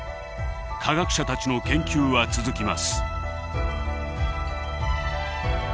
科学者たちの研究は続きます。